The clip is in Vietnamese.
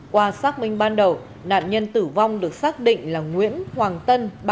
qua xác minh ban đầu nạn nhân tử vong được xác định là nguyễn hoàng tân